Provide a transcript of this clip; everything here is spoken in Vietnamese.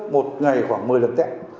một ngày khoảng một mươi lần test